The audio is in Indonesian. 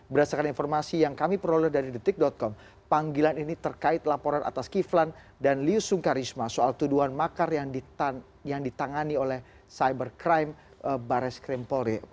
berdasarkan informasi yang kami peroleh dari detik com panggilan ini terkait laporan atas kiflan dan liu sungkarisma soal tuduhan makar yang ditangani oleh cybercrime bares krim polri